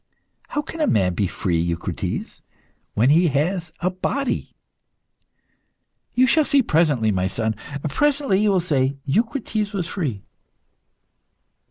"How can a man be free, Eucrites, when he has a body?" "You shall see presently, my son. Presently you will say, 'Eucrites was free.